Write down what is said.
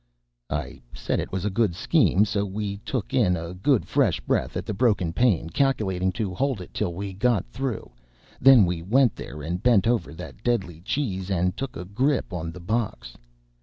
I said it was a good scheme. So we took in a good fresh breath at the broken pane, calculating to hold it till we got through; then we went there and bent over that deadly cheese and took a grip on the box.